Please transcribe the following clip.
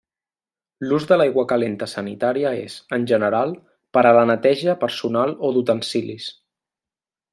L'ús de l'aigua calenta sanitària és, en general, per a la neteja personal o d'utensilis.